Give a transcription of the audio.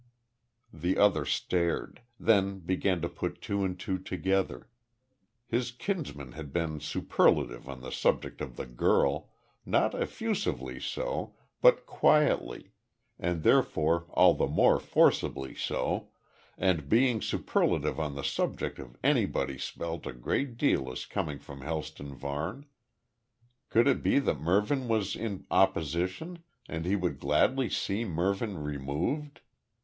The other stared then began to put two and two together. His kinsman had been "superlative" on the subject of the girl not effusively so, but quietly, and therefore all the more forcibly so, and being superlative on the subject of anybody spelt a great deal as coming from Helston Varne. Could it be that Mervyn was in opposition and he would gladly see Mervyn removed?